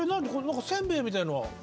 何かせんべいみたいのは？